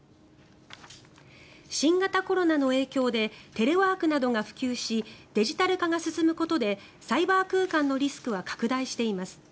新型コロナの影響でテレワークなどが普及しデジタル化が進むことでサイバー空間のリスクは拡大しています。